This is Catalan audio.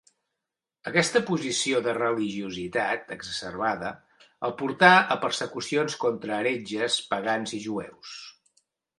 Aquesta posició de religiositat exacerbada el portà a persecucions contra heretges, pagans i jueus.